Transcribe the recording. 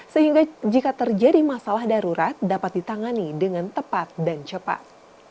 sehingga jika terjadi masalah darurat dapat ditangani dengan tepat dan cepat